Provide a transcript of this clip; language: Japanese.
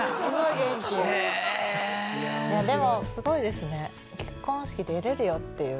いやでもすごいですね。